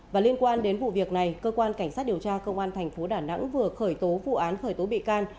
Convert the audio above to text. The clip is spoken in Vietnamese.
và liên quan đến vụ việc này cơ quan cảnh sát điều tra công an thành phố đà nẵng vừa khởi tố vụ án khởi tố bị can